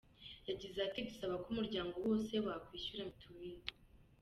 Yagize ati“Dusaba ko umuryango wose wakwishyura mituweli.